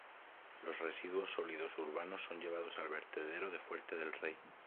Los residuos sólidos urbanos son llevados al vertedero de Fuerte del Rey.